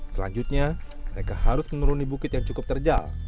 selanjutnya mereka harus menuruni bukit yang cukup terjal